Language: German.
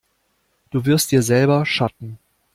Du wirfst dir selber Schatten.